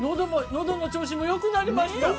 どの調子もよくなりました。